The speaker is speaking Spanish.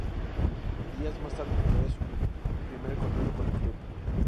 Días más tarde firmaría su primer contrato con el club.